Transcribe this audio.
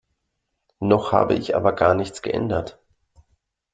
Noch habe ich aber gar nichts geändert.